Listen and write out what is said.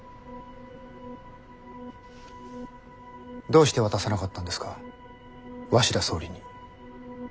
どうして渡さなかったんですか鷲田総理に。